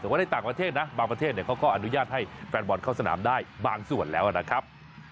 แต่ว่าในต่างประเทศนะบางประเทศเขาก็อนุญาตให้แฟนบอลเข้าสนามได้บางส่วนแล้วนะครับ